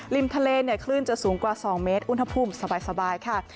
ริมทะเลเนี่ยคลื่นจะสูงกว่า๒เมตรอุณหภูมิสบายค่ะ